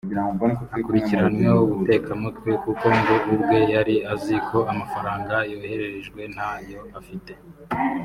akurikiranyweho ubutekamutwe kuko ngo ubwe yari azi ko amafaranga yoherejwe nta yo afite